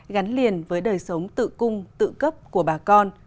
gắn liền với đời sống tự cung tự cấp của bà con